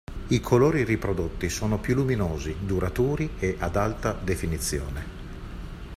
I colori riprodotti sono più luminosi, duraturi e ad alta definizione.